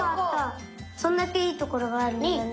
そんだけいいところがあるんだよね。